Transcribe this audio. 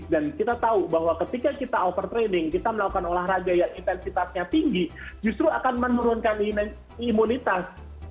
dan kita tahu bahwa ketika kita overtraining kita melakukan olahraga yang intensitasnya tinggi justru akan menurunkan imunitas